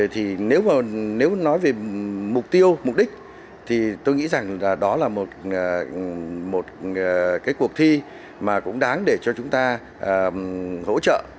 thì nếu nói về mục tiêu mục đích thì tôi nghĩ rằng đó là một cuộc thi mà cũng đáng để cho chúng ta hỗ trợ